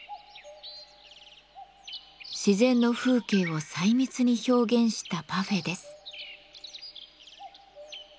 自然の風景を細密に表現したパフェです。